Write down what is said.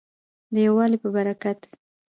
د یووالي په برکت.